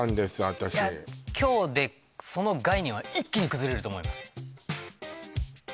私今日でその概念は一気に崩れると思います